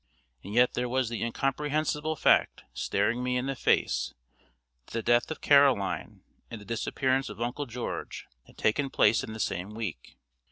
And yet there was the incomprehensible fact staring me in the face that the death of Caroline and the disappearance of Uncle George had taken place in the same week!